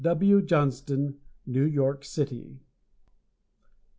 W. Johnston, New York City.